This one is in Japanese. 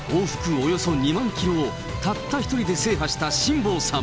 およそ２万キロをたった１人で制覇した辛坊さん。